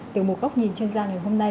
từ một góc nhìn chuyên gia ngày hôm nay